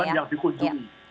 daerah yang dikunjungi